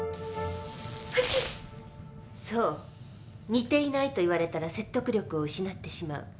似ていないと言われたら説得力を失ってしまう。